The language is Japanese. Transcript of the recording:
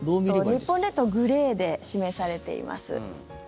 日本列島グレーで示されています。